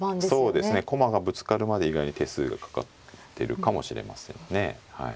駒がぶつかるまで意外に手数がかかってるかもしれませんね。